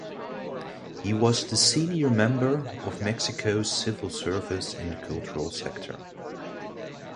He was the senior member of Mexico's Civil Service in the cultural sector.